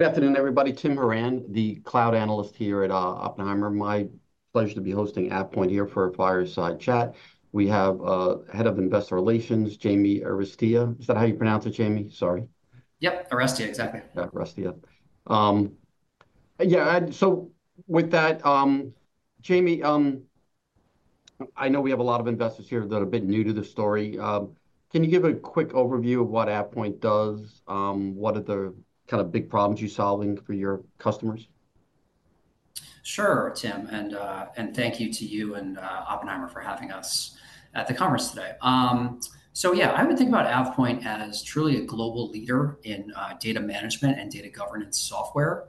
Good afternoon, everybody. Tim Moran, the cloud analyst here at Oppenheimer. My pleasure to be hosting AvePoint here for a fireside chat. We have Head of Investor Relations, Jamie Arestia. Is that how you pronounce it, Jamie? Sorry. Yep, Arestia. Exactly. Yeah, Arestia. Yeah, and so with that, Jamie, I know we have a lot of investors here that are a bit new to this story. Can you give a quick overview of what AvePoint does? What are the kind of big problems you're solving for your customers? Sure, Tim, and thank you to you and Oppenheimer for having us at the conference today. So yeah, I would think about AvePoint as truly a global leader in data management and data governance software.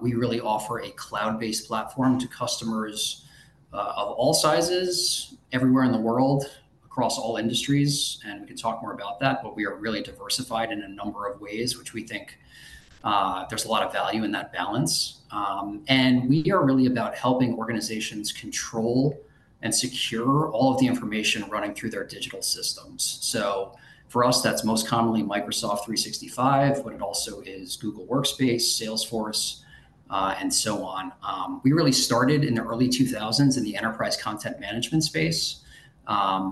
We really offer a cloud-based platform to customers of all sizes, everywhere in the world, across all industries, and we can talk more about that, but we are really diversified in a number of ways, which we think there's a lot of value in that balance. We are really about helping organizations control and secure all of the information running through their digital systems. So for us, that's most commonly Microsoft 365, but it also is Google Workspace, Salesforce, and so on. We really started in the early 2000s in the enterprise content management space,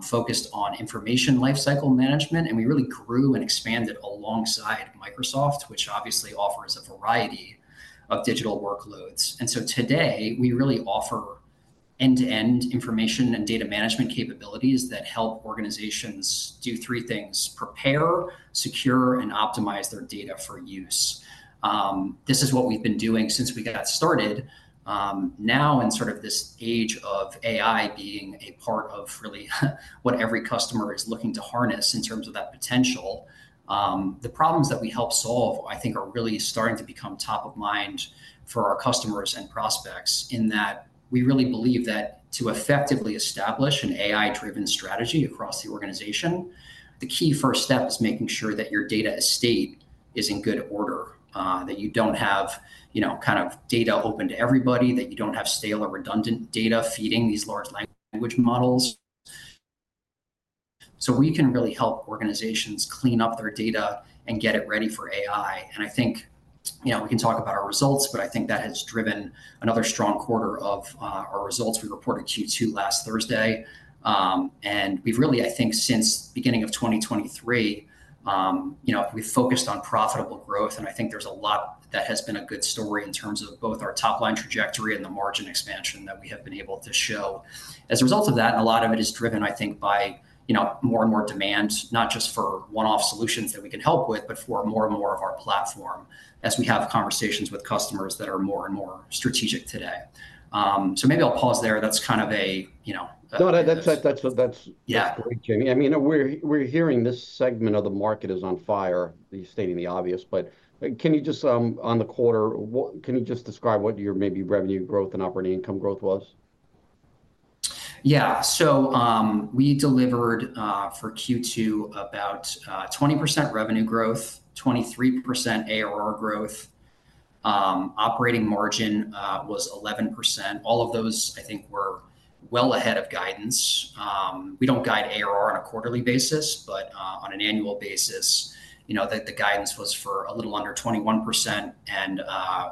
focused on information lifecycle management, and we really grew and expanded alongside Microsoft, which obviously offers a variety of digital workloads. And so today, we really offer end-to-end information and data management capabilities that help organizations do three things: prepare, secure, and optimize their data for use. This is what we've been doing since we got started. Now in sort of this age of AI being a part of really what every customer is looking to harness in terms of that potential, the problems that we help solve, I think are really starting to become top of mind for our customers and prospects, in that we really believe that to effectively establish an AI-driven strategy across the organization, the key first step is making sure that your data estate is in good order. That you don't have, you know, kind of data open to everybody, that you don't have stale or redundant data feeding these large language models. So we can really help organizations clean up their data and get it ready for AI. And I think, you know, we can talk about our results, but I think that has driven another strong quarter of our results. We reported Q2 last Thursday. And we've really, I think, since beginning of 2023, you know, we've focused on profitable growth, and I think there's a lot that has been a good story in terms of both our top-line trajectory and the margin expansion that we have been able to show. As a result of that, a lot of it is driven, I think, by, you know, more and more demand, not just for one-off solutions that we can help with, but for more and more of our platform, as we have conversations with customers that are more and more strategic today. So maybe I'll pause there. That's kind of a, you know- No, that's- Yeah. Great, Jamie. I mean, we're hearing this segment of the market is on fire, stating the obvious, but can you just, on the quarter, describe what your maybe revenue growth and operating income growth was? Yeah. So, we delivered, for Q2 about, 20% revenue growth, 23% ARR growth. Operating margin was 11%. All of those, I think, were well ahead of guidance. We don't guide ARR on a quarterly basis, but, on an annual basis, you know, the, the guidance was for a little under 21% and,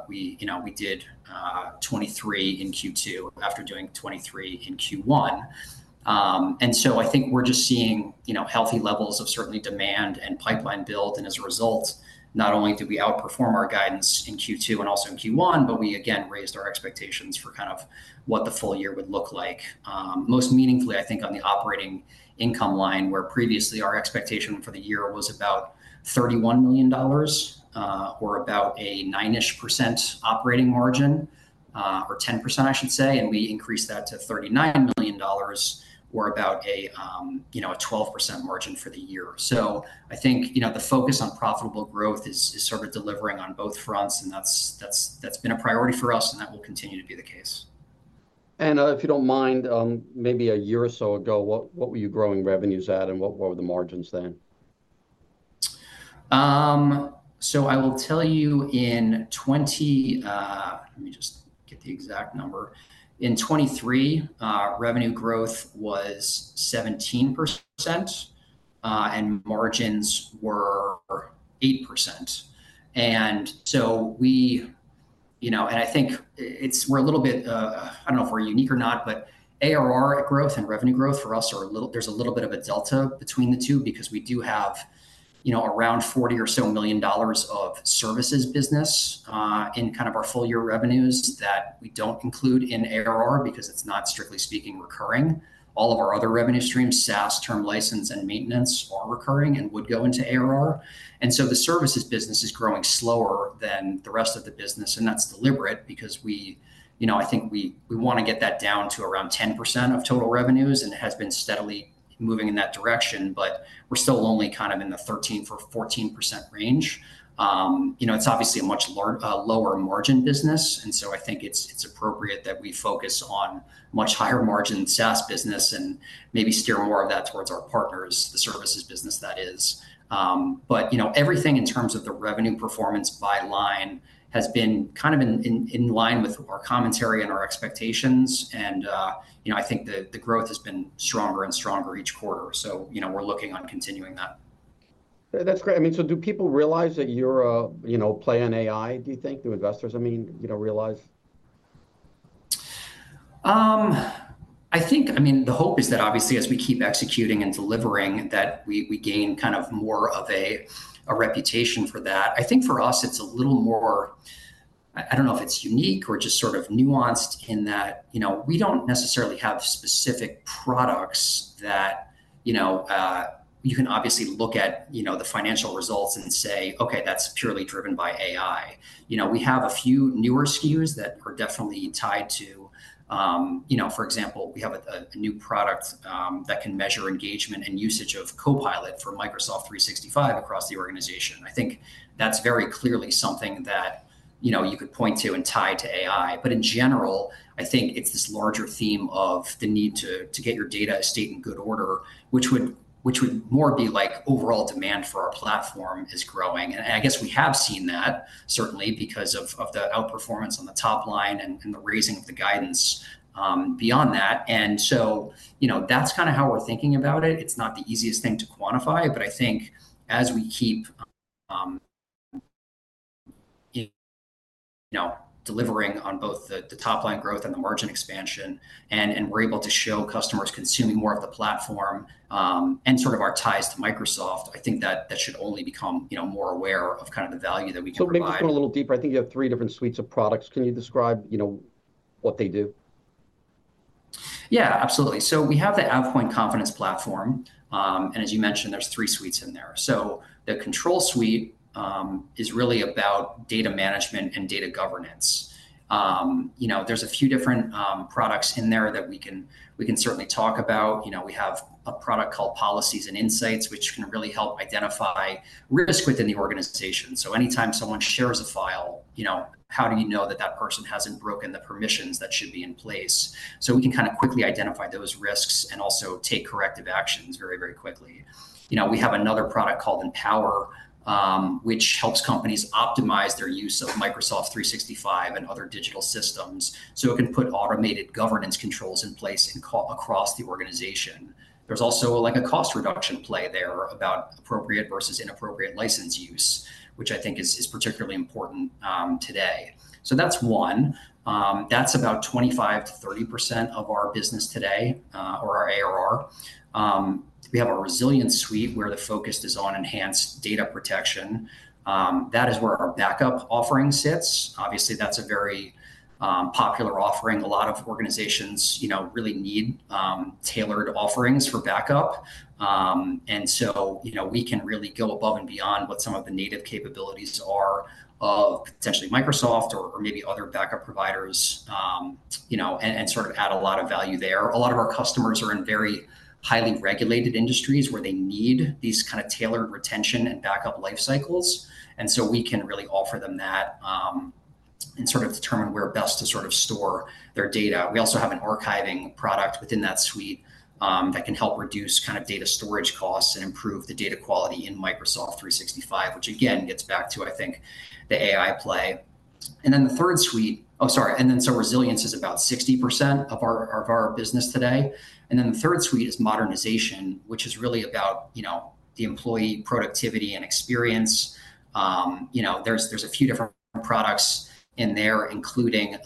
we, you know, we did, 23% in Q2 after doing 23% in Q1. And so I think we're just seeing, you know, healthy levels of certainly demand and pipeline build. And as a result, not only did we outperform our guidance in Q2 and also in Q1, but we again raised our expectations for kind of what the full year would look like. Most meaningfully, I think, on the operating income line, where previously our expectation for the year was about $31 million, or about a 9-ish% operating margin, or 10%, I should say, and we increased that to $39 million or about a, you know, a 12% margin for the year. So I think, you know, the focus on profitable growth is sort of delivering on both fronts, and that's been a priority for us, and that will continue to be the case. If you don't mind, maybe a year or so ago, what were you growing revenues at, and what were the margins then? So I will tell you, in '20... Let me just get the exact number. In 2023, revenue growth was 17%, and margins were 8%. And so we, you know, and I think it's we're a little bit, I don't know if we're unique or not, but ARR growth and revenue growth for us are a little- there's a little bit of a delta between the two, because we do have, you know, around $40 million or so of services business, in kind of our full year revenues that we don't include in ARR, because it's not strictly speaking, recurring. All of our other revenue streams, SaaS, term license, and maintenance are recurring and would go into ARR. And so the services business is growing slower than the rest of the business, and that's deliberate because we, you know, I think we, we wanna get that down to around 10% of total revenues, and it has been steadily moving in that direction, but we're still only kind of in the 13% or 14% range. You know, it's obviously a much lower margin business, and so I think it's appropriate that we focus on much higher margin SaaS business and maybe steer more of that towards our partners, the services business that is. But, you know, everything in terms of the revenue performance by line has been kind of in line with our commentary and our expectations. And, you know, I think the growth has been stronger and stronger each quarter. So, you know, we're looking on continuing that. That's great. I mean, so do people realize that you're a, you know, play on AI, do you think, the investors? I mean, you know, realize. I think, I mean, the hope is that obviously as we keep executing and delivering, that we gain kind of more of a reputation for that. I think for us, it's a little more, I don't know if it's unique or just sort of nuanced in that, you know, we don't necessarily have specific products that, you know, you can obviously look at, you know, the financial results and say, "Okay, that's purely driven by AI." You know, we have a few newer SKUs that are definitely tied to, You know, for example, we have a new product that can measure engagement and usage of Copilot for Microsoft 365 across the organization. I think that's very clearly something that, you know, you could point to and tie to AI. But in general, I think it's this larger theme of the need to get your data estate in good order, which would more be like overall demand for our platform is growing. And I guess we have seen that certainly because of the outperformance on the top line and the raising of the guidance beyond that. And so, you know, that's kind of how we're thinking about it. It's not the easiest thing to quantify, but I think as we keep you know, delivering on both the top line growth and the margin expansion and we're able to show customers consuming more of the platform and sort of our ties to Microsoft, I think that should only become you know, more aware of kind of the value that we can provide. So maybe just go a little deeper. I think you have three different suites of products. Can you describe, you know, what they do? Yeah, absolutely. So we have the AvePoint Confidence Platform, and as you mentioned, there's three suites in there. So the Control Suite is really about data management and data governance. You know, there's a few different products in there that we can certainly talk about. You know, we have a product called Policies and Insights, which can really help identify risk within the organization. So anytime someone shares a file, you know, how do you know that that person hasn't broken the permissions that should be in place? So we can kind of quickly identify those risks and also take corrective actions very, very quickly. You know, we have another product called EnPower, which helps companies optimize their use of Microsoft 365 and other digital systems, so it can put automated governance controls in place across the organization. There's also, like, a cost reduction play there about appropriate versus inappropriate license use, which I think is particularly important today. So that's one. That's about 25%-30% of our business today, or our ARR. We have our Resilience Suite, where the focus is on enhanced data protection. That is where our backup offering sits. Obviously, that's a very popular offering. A lot of organizations, you know, really need tailored offerings for backup. And so, you know, we can really go above and beyond what some of the native capabilities are of potentially Microsoft or maybe other backup providers, you know, and sort of add a lot of value there. A lot of our customers are in very highly regulated industries, where they need these kind of tailored retention and backup life cycles, and so we can really offer them that, and sort of determine where best to sort of store their data. We also have an archiving product within that suite, that can help reduce kind of data storage costs and improve the data quality in Microsoft 365, which again, gets back to, I think, the AI play. And then the third suite... Oh, sorry, and then so Resilience is about 60% of our, of our business today, and then the third suite is Modernization, which is really about, you know, the employee productivity and experience. You know, there's a few different products in there, including,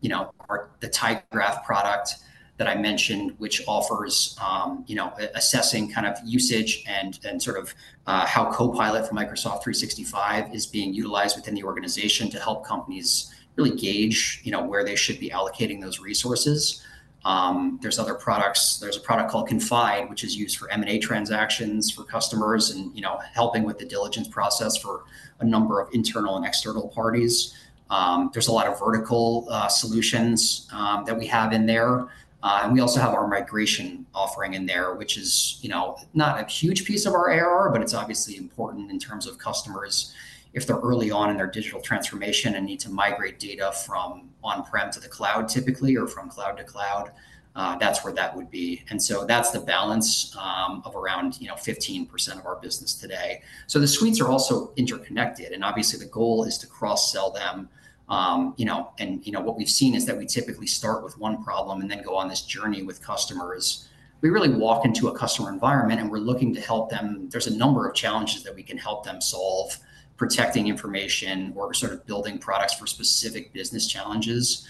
you know, our, the tyGraph product that I mentioned, which offers, you know, assessing kind of usage and sort of how Copilot for Microsoft 365 is being utilized within the organization to help companies really gauge, you know, where they should be allocating those resources. There's other products. There's a product called Confide, which is used for M&A transactions for customers and, you know, helping with the diligence process for a number of internal and external parties. There's a lot of vertical solutions that we have in there. And we also have our migration offering in there, which is, you know, not a huge piece of our ARR, but it's obviously important in terms of customers if they're early on in their digital transformation and need to migrate data from on-prem to the cloud typically, or from cloud to cloud. That's where that would be. And so that's the balance of around, you know, 15% of our business today. So the suites are also interconnected, and obviously, the goal is to cross-sell them. You know, and, you know, what we've seen is that we typically start with one problem and then go on this journey with customers. We really walk into a customer environment, and we're looking to help them. There's a number of challenges that we can help them solve, protecting information or sort of building products for specific business challenges.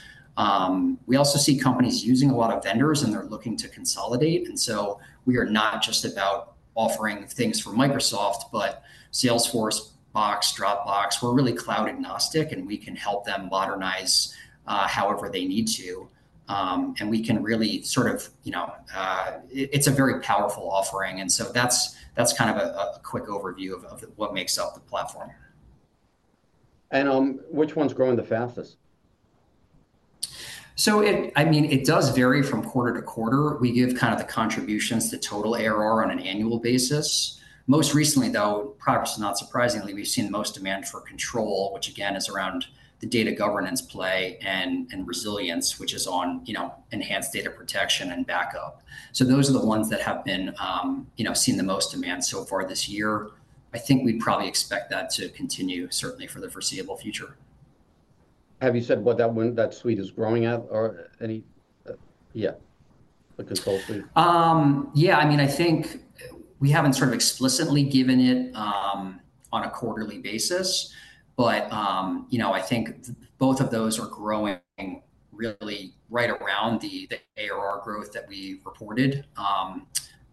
We also see companies using a lot of vendors, and they're looking to consolidate, and so we are not just about offering things for Microsoft, but Salesforce, Box, Dropbox. We're really cloud agnostic, and we can help them modernize, however they need to. And we can really sort of, you know, it's a very powerful offering, and so that's kind of a quick overview of what makes up the platform. Which one's growing the fastest? So, I mean, it does vary from quarter to quarter. We give kind of the contributions to total ARR on an annual basis. Most recently, though, probably, not surprisingly, we've seen the most demand for control, which again, is around the data governance play and Resilience, which is on, you know, enhanced data protection and backup. So those are the ones that have been, you know, seeing the most demand so far this year. I think we probably expect that to continue, certainly for the foreseeable future.... Have you said what that one, that suite is growing at, or any, yeah, the Control Suite? Yeah, I mean, I think we haven't sort of explicitly given it on a quarterly basis, but you know, I think both of those are growing really right around the ARR growth that we reported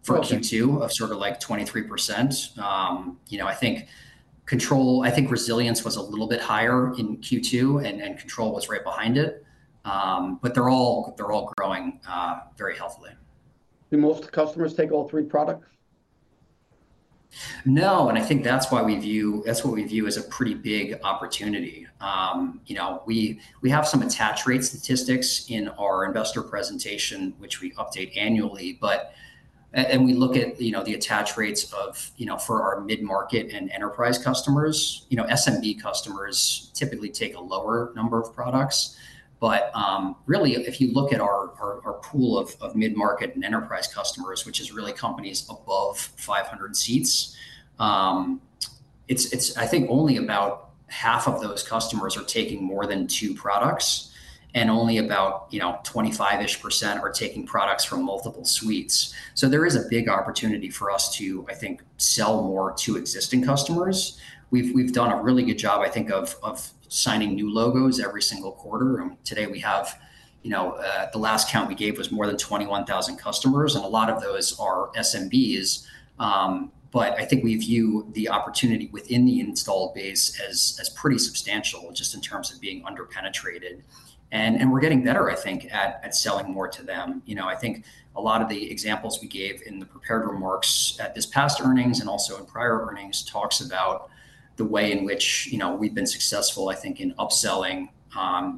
for Q2- Okay - of sort of like 23%. You know, I think Control, I think Resilience was a little bit higher in Q2, and, and Control was right behind it. But they're all, they're all growing very healthily. Do most customers take all three products? No, and I think that's why we view, that's what we view as a pretty big opportunity. You know, we have some attach rate statistics in our investor presentation, which we update annually, but... and we look at, you know, the attach rates of, you know, for our mid-market and enterprise customers. You know, SMB customers typically take a lower number of products, but, really, if you look at our pool of mid-market and enterprise customers, which is really companies above 500 seats, it's, I think only about half of those customers are taking more than 2 products, and only about, you know, 25%-ish are taking products from multiple suites. So there is a big opportunity for us to, I think, sell more to existing customers. We've done a really good job, I think, of signing new logos every single quarter. Today we have, you know, the last count we gave was more than 21,000 customers, and a lot of those are SMBs. But I think we view the opportunity within the installed base as pretty substantial, just in terms of being under-penetrated, and we're getting better, I think, at selling more to them. You know, I think a lot of the examples we gave in the prepared remarks at this past earnings and also in prior earnings talks about the way in which, you know, we've been successful, I think, in upselling.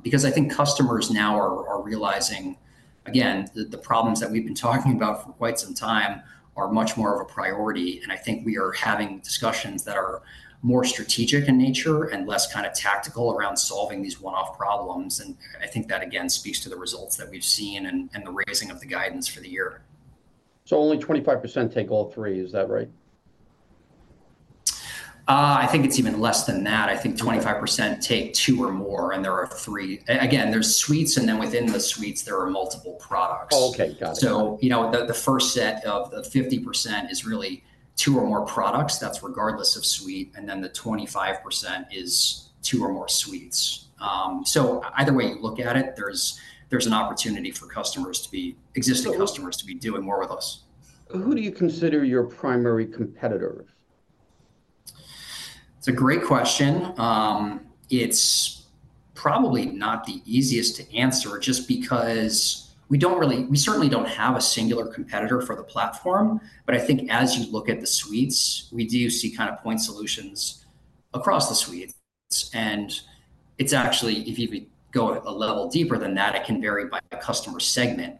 Because I think customers now are realizing again that the problems that we've been talking about for quite some time are much more of a priority, and I think we are having discussions that are more strategic in nature and less kind of tactical around solving these one-off problems. I think that, again, speaks to the results that we've seen and the raising of the guidance for the year. Only 25% take all three, is that right? I think it's even less than that. Okay. I think 25% take 2 or more, and there are 3... Again, there's suites, and then within the suites, there are multiple products. Okay. Got it. So, you know, the first set of 50% is really two or more products, that's regardless of suite, and then the 25% is two or more suites. So either way you look at it, there's an opportunity for customers to be existing customers- So- - to be doing more with us. Who do you consider your primary competitors? It's a great question. It's probably not the easiest to answer just because we certainly don't have a singular competitor for the platform, but I think as you look at the suites, we do see kind of point solutions across the suites. And it's actually, if you go a level deeper than that, it can vary by customer segment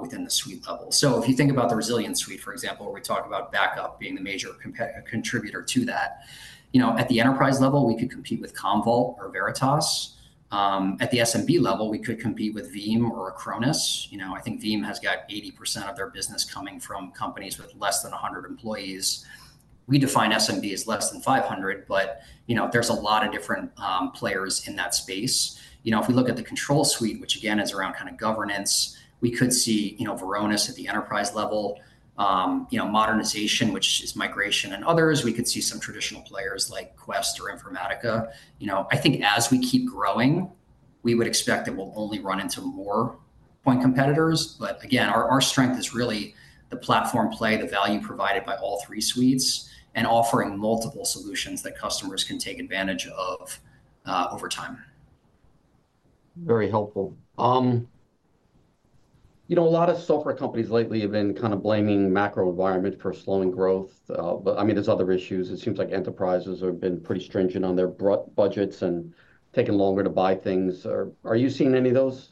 within the suite level. So if you think about the Resilience Suite, for example, where we talk about backup being the major contributor to that, you know, at the enterprise level, we could compete with Commvault or Veritas. At the SMB level, we could compete with Veeam or Acronis. You know, I think Veeam has got 80% of their business coming from companies with less than 100 employees. We define SMB as less than 500, but, you know, there's a lot of different, players in that space. You know, if we look at the Control Suite, which again, is around kind of governance, we could see, you know, Varonis at the enterprise level. You know, Modernization, which is migration and others, we could see some traditional players like Quest or Informatica. You know, I think as we keep growing, we would expect that we'll only run into more point competitors, but again, our, our strength is really the platform play, the value provided by all three suites, and offering multiple solutions that customers can take advantage of, over time. Very helpful. You know, a lot of software companies lately have been kind of blaming macro environment for slowing growth, but I mean, there's other issues. It seems like enterprises have been pretty stringent on their budgets and taking longer to buy things. Are you seeing any of those?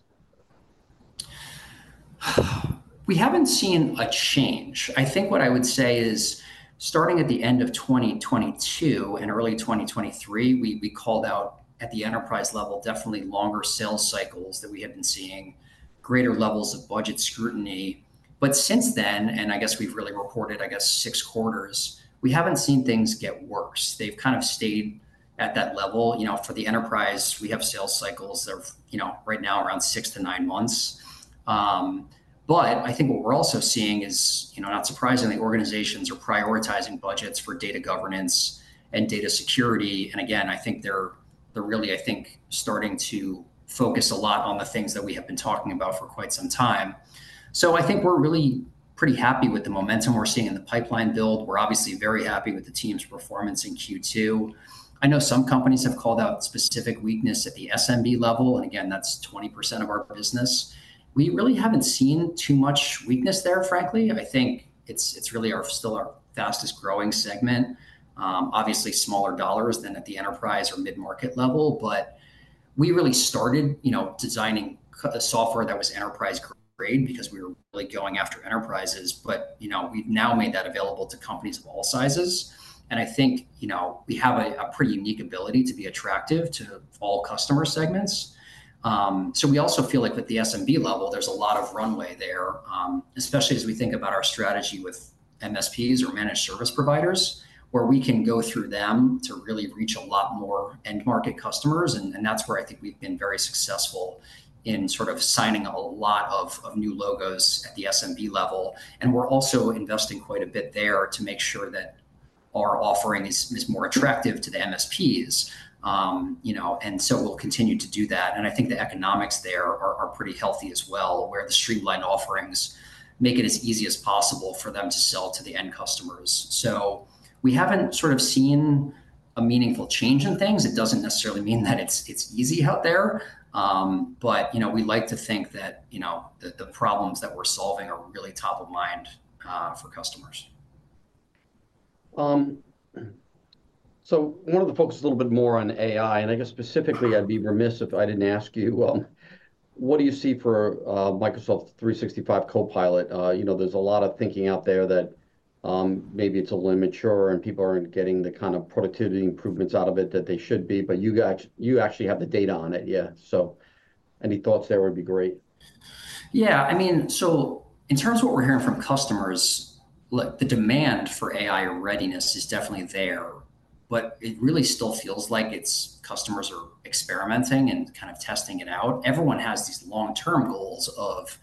We haven't seen a change. I think what I would say is, starting at the end of 2022 and early 2023, we called out, at the enterprise level, definitely longer sales cycles, that we have been seeing greater levels of budget scrutiny. But since then, and I guess we've really reported, I guess, 6 quarters, we haven't seen things get worse. They've kind of stayed at that level. You know, for the enterprise, we have sales cycles that are, you know, right now around 6-9 months. But I think what we're also seeing is, you know, not surprisingly, organizations are prioritizing budgets for data governance and data security, and again, I think they're, they're really, I think, starting to focus a lot on the things that we have been talking about for quite some time. So I think we're really pretty happy with the momentum we're seeing in the pipeline build. We're obviously very happy with the team's performance in Q2. I know some companies have called out specific weakness at the SMB level, and again, that's 20% of our business. We really haven't seen too much weakness there, frankly. I think it's, it's really our, still our fastest growing segment. Obviously, smaller dollars than at the enterprise or mid-market level, but we really started, you know, designing the software that was enterprise-grade because we were really going after enterprises. But, you know, we've now made that available to companies of all sizes, and I think, you know, we have a, a pretty unique ability to be attractive to all customer segments.... So we also feel like with the SMB level, there's a lot of runway there, especially as we think about our strategy with MSPs or managed service providers, where we can go through them to really reach a lot more end market customers. And that's where I think we've been very successful in sort of signing a lot of new logos at the SMB level. And we're also investing quite a bit there to make sure that our offering is more attractive to the MSPs. You know, and so we'll continue to do that, and I think the economics there are pretty healthy as well, where the streamlined offerings make it as easy as possible for them to sell to the end customers. So we haven't sort of seen a meaningful change in things. It doesn't necessarily mean that it's easy out there, but, you know, we like to think that, you know, the problems that we're solving are really top of mind for customers. So I wanted to focus a little bit more on AI, and I guess specifically, I'd be remiss if I didn't ask you, what do you see for Microsoft 365 Copilot? You know, there's a lot of thinking out there that maybe it's a little immature and people aren't getting the kind of productivity improvements out of it that they should be, but you actually have the data on it, yeah. So any thoughts there would be great. Yeah. I mean, so in terms of what we're hearing from customers, look, the demand for AI readiness is definitely there, but it really still feels like it's customers are experimenting and kind of testing it out. Everyone has these long-term goals of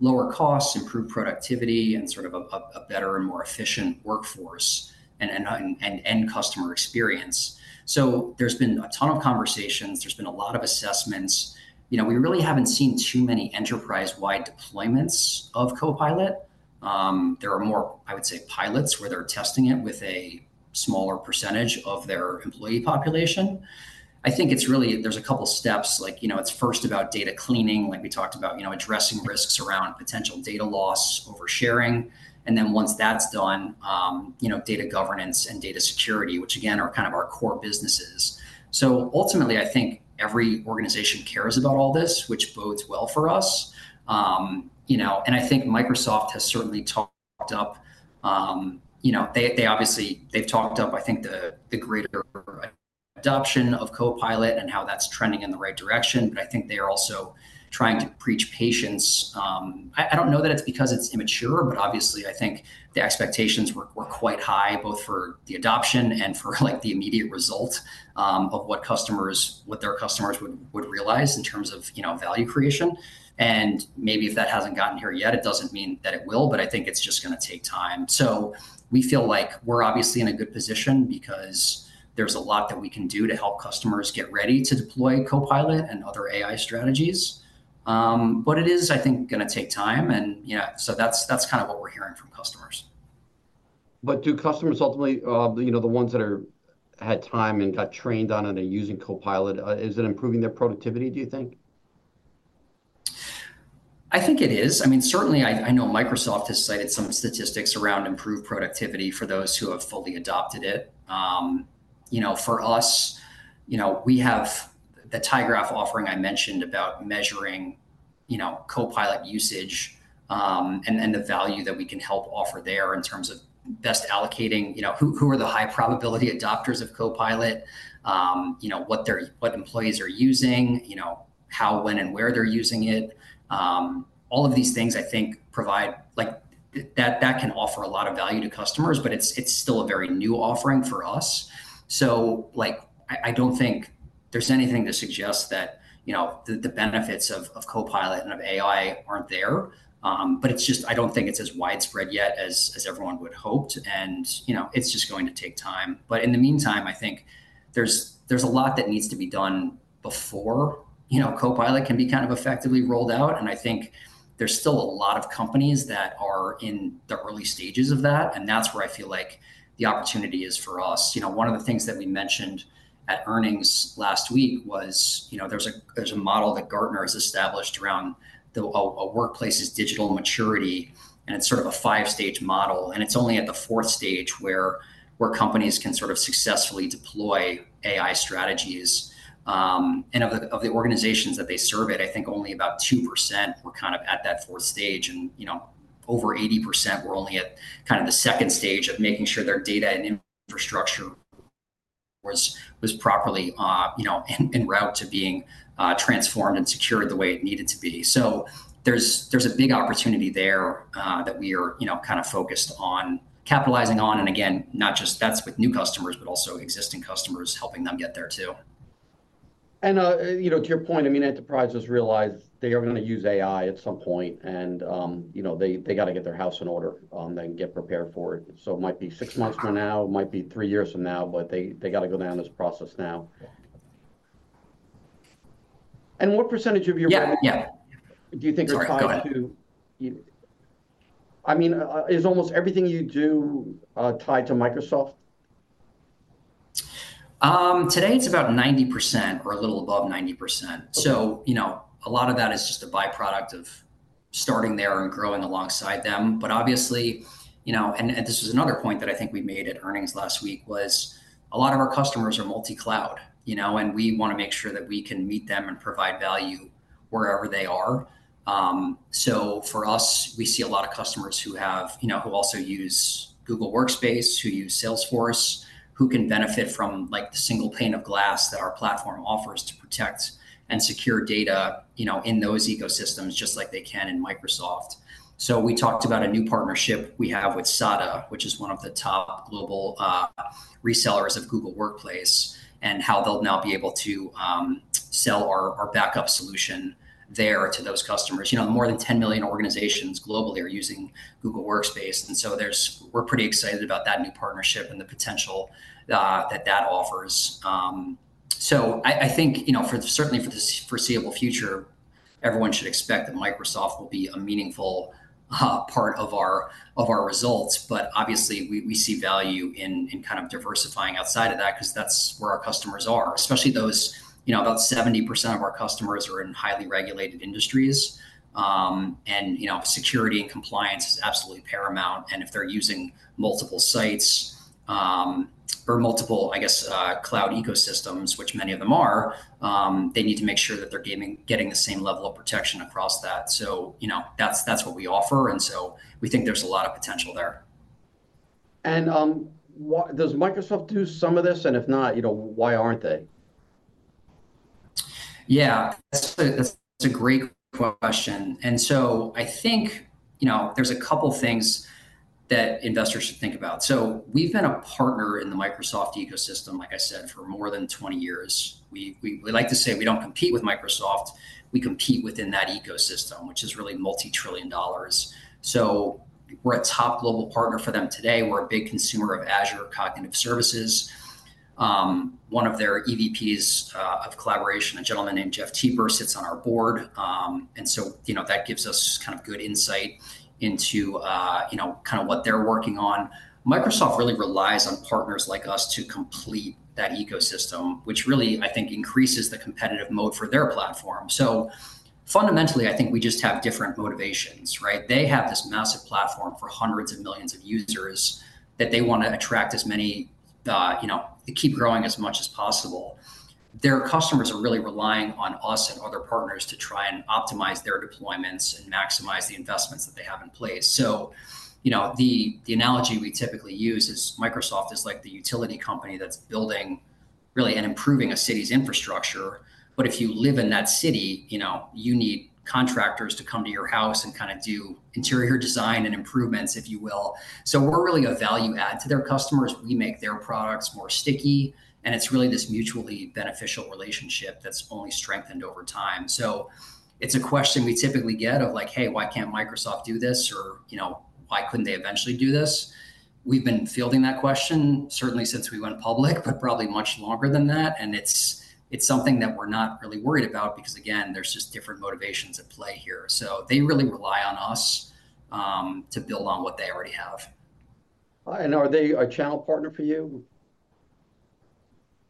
lower costs, improved productivity, and sort of a better and more efficient workforce and end customer experience. So there's been a ton of conversations. There's been a lot of assessments. You know, we really haven't seen too many enterprise-wide deployments of Copilot. There are more, I would say, pilots, where they're testing it with a smaller percentage of their employee population. I think it's really... There's a couple steps like, you know, it's first about data cleaning, like we talked about, you know, addressing risks around potential data loss, over-sharing, and then once that's done, you know, data governance and data security, which again, are kind of our core businesses. So ultimately, I think every organization cares about all this, which bodes well for us. You know, and I think Microsoft has certainly talked up, you know, they, they obviously, they've talked up, I think, the, the greater adoption of Copilot and how that's trending in the right direction, but I think they are also trying to preach patience. I don't know that it's because it's immature, but obviously, I think the expectations were quite high, both for the adoption and for like the immediate result of what their customers would realize in terms of, you know, value creation. Maybe if that hasn't gotten here yet, it doesn't mean that it will, but I think it's just gonna take time. We feel like we're obviously in a good position because there's a lot that we can do to help customers get ready to deploy Copilot and other AI strategies. It is, I think, gonna take time, and yeah, so that's kind of what we're hearing from customers. But do customers ultimately, you know, the ones that had time and got trained on it and are using Copilot, is it improving their productivity, do you think? I think it is. I mean, certainly, I know Microsoft has cited some statistics around improved productivity for those who have fully adopted it. You know, for us, you know, we have the tyGraph offering I mentioned about measuring, you know, Copilot usage, and the value that we can help offer there in terms of best allocating, you know, who are the high probability adopters of Copilot? You know, what employees are using, you know, how, when, and where they're using it. All of these things, I think, provide, like, that can offer a lot of value to customers, but it's still a very new offering for us. So, like, I don't think there's anything to suggest that, you know, the benefits of Copilot and of AI aren't there. But it's just, I don't think it's as widespread yet as everyone would hope, and, you know, it's just going to take time. But in the meantime, I think there's a lot that needs to be done before, you know, Copilot can be kind of effectively rolled out, and I think there's still a lot of companies that are in the early stages of that, and that's where I feel like the opportunity is for us. You know, one of the things that we mentioned at earnings last week was, you know, there's a model that Gartner has established around a workplace's digital maturity, and it's sort of a five-stage model. And it's only at the fourth stage where companies can sort of successfully deploy AI strategies. And of the organizations that they survey, I think only about 2% were kind of at that fourth stage, and, you know, over 80% were only at kind of the second stage of making sure their data and infrastructure was properly, you know, kind of en route to being transformed and secured the way it needed to be. So there's a big opportunity there that we are, you know, kind of focused on capitalizing on, and again, not just that's with new customers, but also existing customers, helping them get there, too. You know, to your point, I mean, enterprises realize they are gonna use AI at some point, and, you know, they, they gotta get their house in order, then get prepared for it. It might be six months from now, it might be three years from now, but they, they gotta go down this process now. What percentage of your revenue- Yeah, yeah... do you think is tied to- Sorry, go ahead. I mean, is almost everything you do tied to Microsoft? Today it's about 90% or a little above 90%. Okay. So, you know, a lot of that is just a by-product of starting there and growing alongside them. But obviously, you know, and, and this is another point that I think we made at earnings last week, was a lot of our customers are multi-cloud, you know, and we wanna make sure that we can meet them and provide value wherever they are. So for us, we see a lot of customers who have, you know, who also use Google Workspace, who use Salesforce, who can benefit from, like, the single pane of glass that our platform offers to protect and secure data, you know, in those ecosystems, just like they can in Microsoft. So we talked about a new partnership we have with SADA, which is one of the top global resellers of Google Workspace, and how they'll now be able to sell our backup solution there to those customers. You know, more than 10 million organizations globally are using Google Workspace, and so we're pretty excited about that new partnership and the potential that that offers. So I think, you know, for certainly for the foreseeable future, everyone should expect that Microsoft will be a meaningful part of our results. But obviously, we see value in kind of diversifying outside of that, 'cause that's where our customers are, especially those, you know, about 70% of our customers are in highly regulated industries. And, you know, security and compliance is absolutely paramount, and if they're using multiple sites, or multiple, I guess, cloud ecosystems, which many of them are, they need to make sure that they're getting the same level of protection across that. So, you know, that's what we offer, and so we think there's a lot of potential there. Why does Microsoft do some of this? And if not, you know, why aren't they? Yeah, that's a great question. So I think, you know, there's a couple things that investors should think about. We've been a partner in the Microsoft ecosystem, like I said, for more than 20 years. We like to say we don't compete with Microsoft, we compete within that ecosystem, which is really multi-trillion dollars. We're a top global partner for them today, we're a big consumer of Azure Cognitive Services. One of their EVPs of collaboration, a gentleman named Jeff Teper, sits on our board. And so, you know, that gives us kind of good insight into, you know, kind of what they're working on. Microsoft really relies on partners like us to complete that ecosystem, which really, I think, increases the competitive moat for their platform. So fundamentally, I think we just have different motivations, right? They have this massive platform for hundreds of millions of users, that they wanna attract as many, you know, to keep growing as much as possible. Their customers are really relying on us and other partners to try and optimize their deployments and maximize the investments that they have in place. So, you know, the analogy we typically use is Microsoft is like the utility company that's building really and improving a city's infrastructure, but if you live in that city, you know, you need contractors to come to your house and kinda do interior design and improvements, if you will. So we're really a value add to their customers. We make their products more sticky, and it's really this mutually beneficial relationship that's only strengthened over time. So it's a question we typically get of like, "Hey, why can't Microsoft do this?" Or, you know, "Why couldn't they eventually do this?" We've been fielding that question, certainly since we went public, but probably much longer than that, and it's something that we're not really worried about, because again, there's just different motivations at play here. So they really rely on us to build on what they already have. Are they a channel partner for you?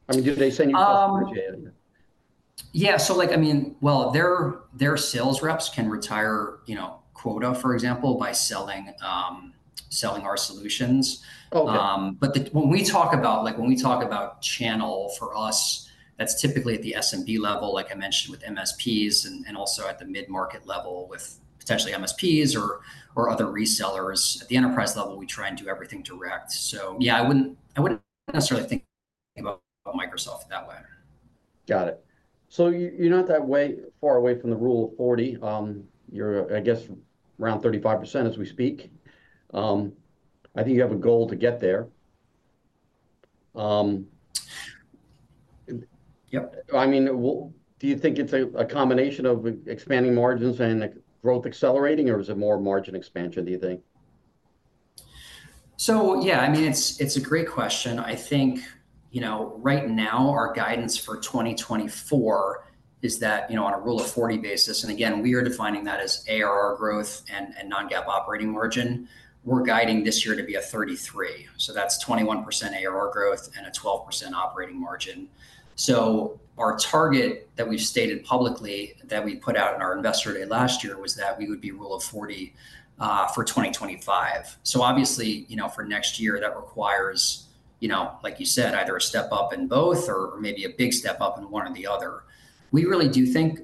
I mean, do they send you customers as yet? Yeah. So like, I mean, well, their sales reps can retire quota, you know, for example, by selling our solutions. Okay. But when we talk about, like, when we talk about channel, for us, that's typically at the SMB level, like I mentioned, with MSPs and also at the mid-market level with potentially MSPs or other resellers. At the enterprise level, we try and do everything direct. So yeah, I wouldn't necessarily think about Microsoft that way. Got it. So you're not that far away from the Rule of 40. You're, I guess, around 35% as we speak. I think you have a goal to get there. Yep. I mean, do you think it's a, a combination of expanding margins and, like, growth accelerating, or is it more margin expansion, do you think? So yeah, I mean, it's a great question. I think, you know, right now, our guidance for 2024 is that, you know, on a Rule of 40 basis, and again, we are defining that as ARR growth and non-GAAP operating margin, we're guiding this year to be a 33. So that's 21% ARR growth and a 12% operating margin. So our target that we've stated publicly, that we put out in our Investor Day last year, was that we would be Rule of 40 for 2025. So obviously, you know, for next year, that requires, you know, like you said, either a step up in both or maybe a big step up in one or the other. We really do think,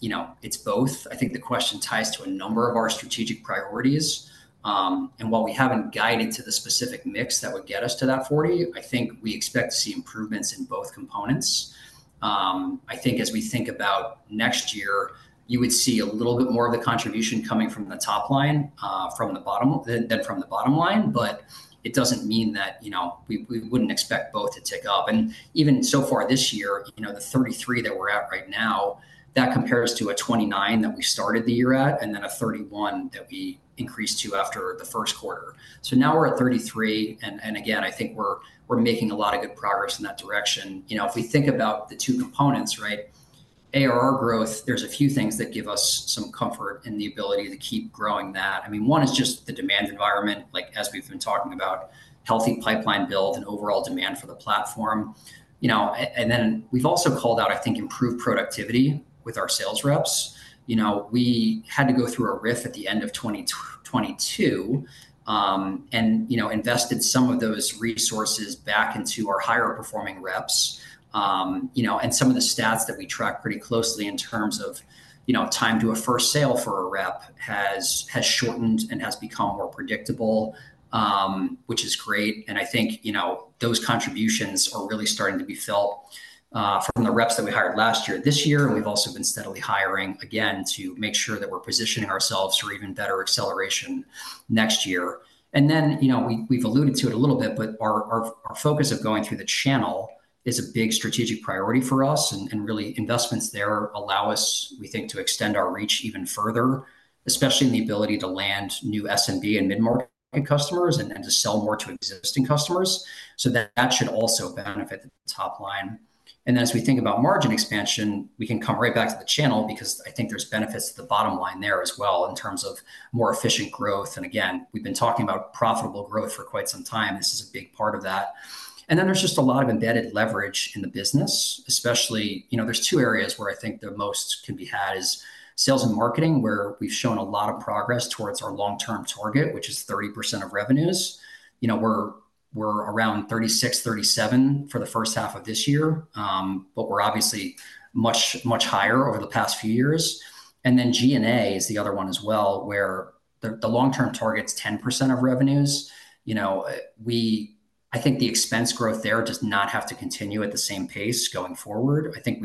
you know, it's both. I think the question ties to a number of our strategic priorities. And while we haven't guided to the specific mix that would get us to that 40, I think we expect to see improvements in both components. I think as we think about next year, you would see a little bit more of the contribution coming from the top line than from the bottom line, but it doesn't mean that, you know, we wouldn't expect both to tick up. And even so far this year, you know, the 33 that we're at right now, that compares to a 29 that we started the year at, and then a 31 that we increased to after the first quarter. So now we're at 33, and again, I think we're making a lot of good progress in that direction. You know, if we think about the two components, right, ARR growth, there's a few things that give us some comfort in the ability to keep growing that. I mean, one is just the demand environment, like, as we've been talking about, healthy pipeline build and overall demand for the platform, you know. And then we've also called out, I think, improved productivity with our sales reps. You know, we had to go through a RIF at the end of 2022, and, you know, invested some of those resources back into our higher-performing reps. You know, and some of the stats that we track pretty closely in terms of, you know, time to a first sale for a rep has shortened and has become more predictable, which is great, and I think, you know, those contributions are really starting to be felt from the reps that we hired last year. This year, we've also been steadily hiring again to make sure that we're positioning ourselves for even better acceleration next year. And then, you know, we, we've alluded to it a little bit, but our focus of going through the channel is a big strategic priority for us, and really investments there allow us, we think, to extend our reach even further, especially in the ability to land new SMB and mid-market customers and to sell more to existing customers. So that should also benefit the top line. As we think about margin expansion, we can come right back to the channel because I think there's benefits to the bottom line there as well in terms of more efficient growth. Again, we've been talking about profitable growth for quite some time. This is a big part of that. Then there's just a lot of embedded leverage in the business, especially. You know, there's two areas where I think the most can be had is sales and marketing, where we've shown a lot of progress towards our long-term target, which is 30% of revenues. You know, we're around 36%-37% for the first half of this year, but we're obviously much, much higher over the past few years. And then G&A is the other one as well, where the long-term target's 10% of revenues. You know, I think the expense growth there does not have to continue at the same pace going forward. I think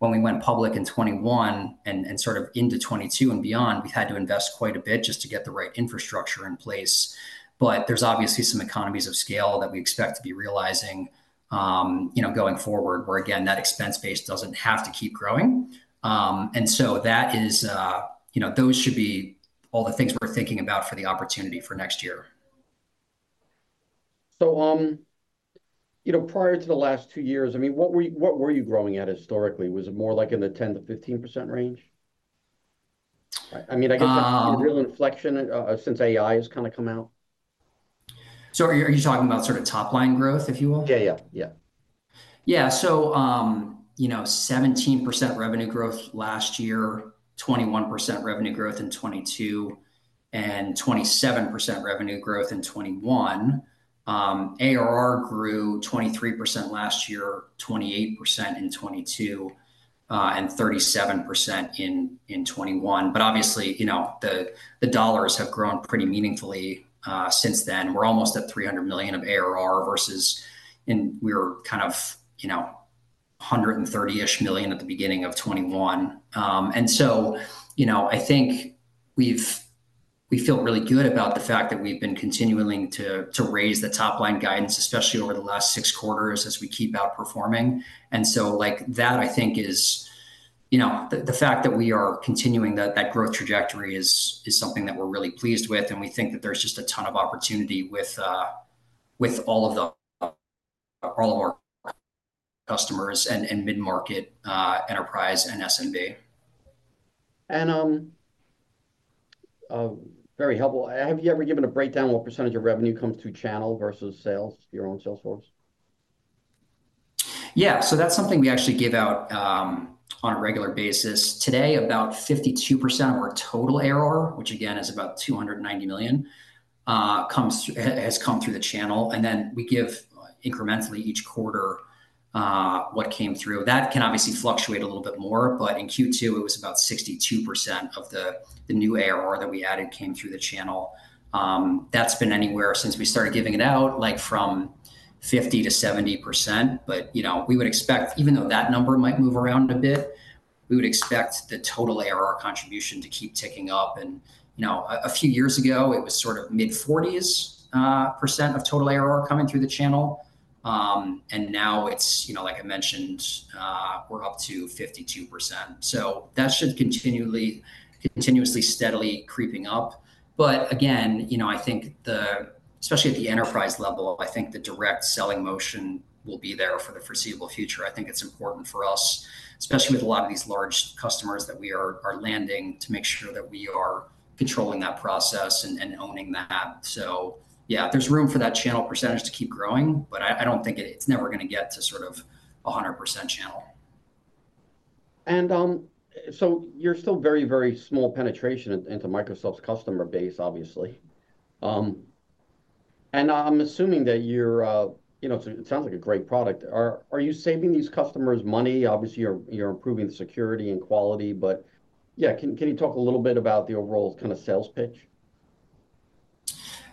when we went public in 2021 and sort of into 2022 and beyond, we had to invest quite a bit just to get the right infrastructure in place. But there's obviously some economies of scale that we expect to be realizing, you know, going forward, where again that expense base doesn't have to keep growing. And so that is, you know, those should be all the things we're thinking about for the opportunity for next year. So, you know, prior to the last two years, I mean, what were you, what were you growing at historically? Was it more like in the 10%-15% range? I mean, I guess- Um- A real inflection since AI has kind of come out. So are you talking about sort of top-line growth, if you will? Yeah, yeah, yeah. Yeah, so, you know, 17% revenue growth last year, 21% revenue growth in 2022, and 27% revenue growth in 2021. ARR grew 23% last year, 28% in 2022, and 37% in 2021. But obviously, you know, the dollars have grown pretty meaningfully since then. We're almost at $300 million of ARR versus, and we were kind of, you know, $130-ish million at the beginning of 2021. And so, you know, I think we feel really good about the fact that we've been continuing to raise the top-line guidance, especially over the last six quarters, as we keep outperforming. And so, like, that, I think, is, you know... The fact that we are continuing that growth trajectory is something that we're really pleased with, and we think that there's just a ton of opportunity with all of our customers in mid-market, enterprise, and SMB. Very helpful. Have you ever given a breakdown what percentage of revenue comes through channel versus sales, your own sales force? Yeah, so that's something we actually give out on a regular basis. Today, about 52% of our total ARR, which again is about $290 million, comes through, has come through the channel, and then we give incrementally each quarter what came through. That can obviously fluctuate a little bit more, but in Q2, it was about 62% of the new ARR that we added came through the channel. That's been anywhere, since we started giving it out, like from 50%-70%. But, you know, we would expect, even though that number might move around a bit, we would expect the total ARR contribution to keep ticking up. And, you know, a few years ago, it was sort of mid-40s% of total ARR coming through the channel. And now it's, you know, like I mentioned, we're up to 52%, so that should continually, continuously, steadily creeping up. But again, you know, I think the... especially at the enterprise level, I think the direct selling motion will be there for the foreseeable future. I think it's important for us, especially with a lot of these large customers that we are landing, to make sure that we are controlling that process and owning that. So yeah, there's room for that channel percentage to keep growing, but I don't think it's never gonna get to sort of a 100% channel. And, so you're still very, very small penetration into Microsoft's customer base, obviously. And I'm assuming that you're, you know, so it sounds like a great product. Are you saving these customers money? Obviously, you're improving the security and quality, but yeah, can you talk a little bit about the overall kind of sales pitch?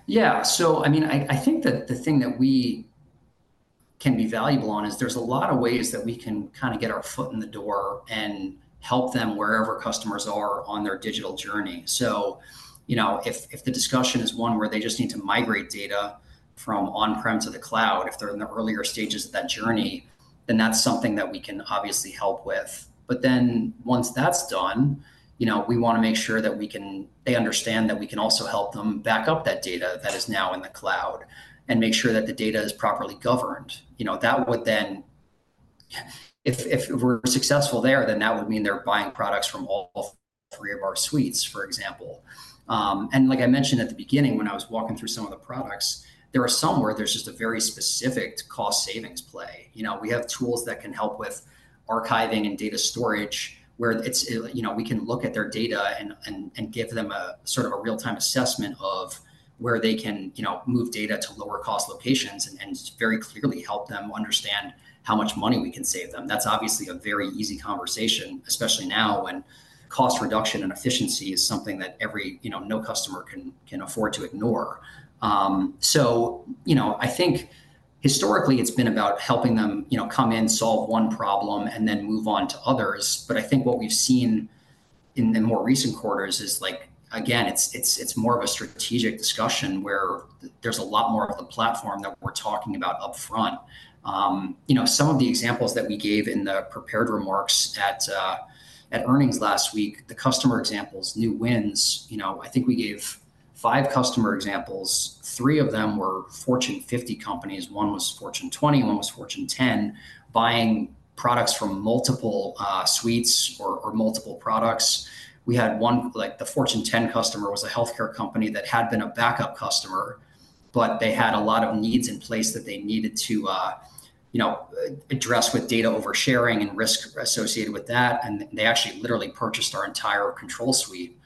Yeah. So, I mean, I think that the thing that we can be valuable on is there's a lot of ways that we can kind of get our foot in the door and help them wherever customers are on their digital journey. So, you know, if the discussion is one where they just need to migrate data from on-prem to the cloud, if they're in the earlier stages of that journey, then that's something that we can obviously help with. But then, once that's done, you know, we wanna make sure that we can—they understand that we can also help them back up that data that is now in the cloud and make sure that the data is properly governed. You know, that would then... If we're successful there, then that would mean they're buying products from all three of our suites, for example. And like I mentioned at the beginning when I was walking through some of the products, there are some where there's just a very specific cost-savings play. You know, we have tools that can help with archiving and data storage, where it's, you know, we can look at their data and give them a sort of a real-time assessment of where they can, you know, move data to lower cost locations and very clearly help them understand how much money we can save them. That's obviously a very easy conversation, especially now, when cost reduction and efficiency is something that every, you know, no customer can afford to ignore. So, you know, I think historically it's been about helping them, you know, come in, solve one problem, and then move on to others. But I think what we've seen in the more recent quarters is like, again, it's, it's, it's more of a strategic discussion where there's a lot more of the platform that we're talking about upfront. You know, some of the examples that we gave in the prepared remarks at earnings last week, the customer examples, new wins, you know, I think we gave 5 customer examples. 3 of them were Fortune 50 companies, 1 was Fortune 20, and 1 was Fortune 10, buying products from multiple suites or multiple products. We had 1, like, the Fortune 10 customer was a healthcare company that had been a backup customer, but they had a lot of needs in place that they needed to, you know, address with data oversharing and risk associated with that. And they actually literally purchased our entire Control Suite,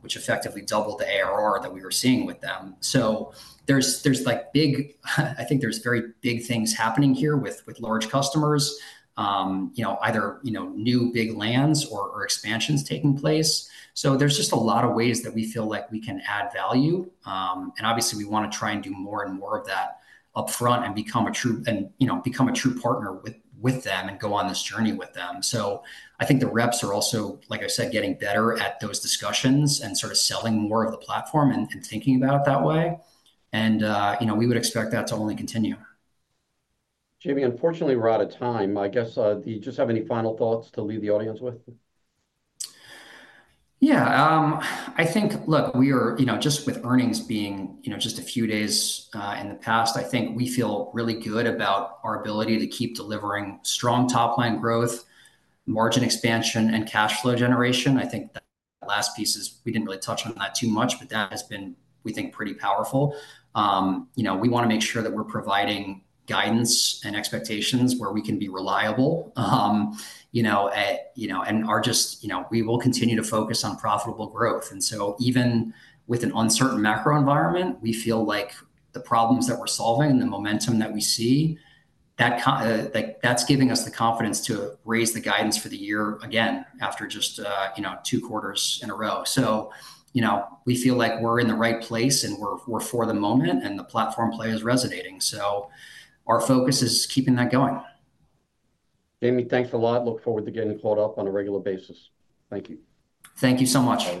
which effectively doubled the ARR that we were seeing with them. So there's like big, I think there's very big things happening here with large customers. You know, either you know, new big lands or expansions taking place. So there's just a lot of ways that we feel like we can add value. And obviously we wanna try and do more and more of that upfront and become a true and, you know, become a true partner with them and go on this journey with them. So I think the reps are also, like I said, getting better at those discussions and sort of selling more of the platform and thinking about it that way. And you know, we would expect that to only continue. Jamie, unfortunately, we're out of time. I guess, do you just have any final thoughts to leave the audience with? Yeah, I think... Look, we are, you know, just with earnings being, you know, just a few days in the past, I think we feel really good about our ability to keep delivering strong top line growth, margin expansion, and cash flow generation. I think the last piece is we didn't really touch on that too much, but that has been, we think, pretty powerful. You know, we wanna make sure that we're providing guidance and expectations where we can be reliable. You know, and are just, you know, we will continue to focus on profitable growth. And so even with an uncertain macro environment, we feel like the problems that we're solving and the momentum that we see, that, like, that's giving us the confidence to raise the guidance for the year again after just, you know, two quarters in a row. So, you know, we feel like we're in the right place, and we're, we're for the moment, and the platform play is resonating, so our focus is keeping that going. Jamie, thanks a lot. Look forward to getting caught up on a regular basis. Thank you. Thank you so much.